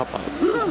うん。